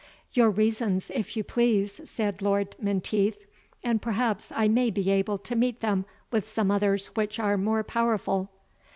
"Your reasons, if you please," said Lord Menteith, "and perhaps I may be able to meet them with some others which are more powerful."